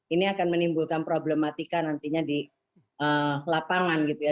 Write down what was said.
ini akan menimbulkan problematika nantinya di lapangan gitu ya